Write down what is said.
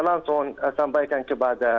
langsung sampaikan kepada